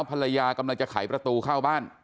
ภรรยากำลังจะไขประตูเข้าบ้าน